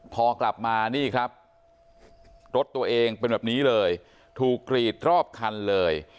พอกลับมานี่ครับรถตัวเองเป็นแบบนี้เลยถูกกรีดรอบคันเลย